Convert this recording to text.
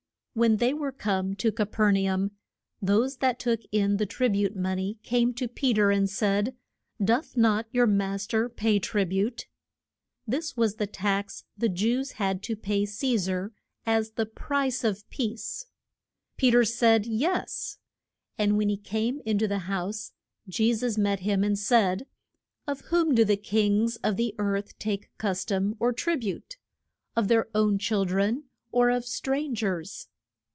When they were come to Ca per na um, those that took in the trib ute mon ey came to Pe ter and said, Doth not your mas ter pay trib ute. This was the tax the Jews had to pay to Ce sar as the price of peace. Pe ter said, Yes. And when he came in to the house Je sus met him and said. Of whom do the kings of the earth take cus tom or trib ute? of their own chil dren or of stran gers?